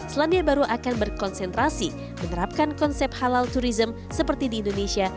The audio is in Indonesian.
selandia baru akan berkonsentrasi menerapkan konsep halal turism seperti di indonesia